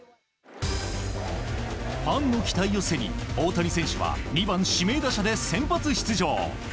ファンの期待を背に、大谷選手は２番指名打者で先発出場。